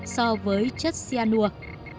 so với chất cyanur